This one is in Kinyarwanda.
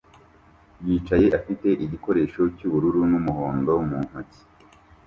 yicaye afite igikoresho cyubururu n'umuhondo mu ntoki